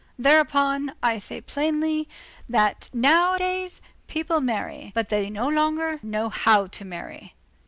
Thereupon, I say plainly, that nowadays people marry, but that they no longer know how to marry.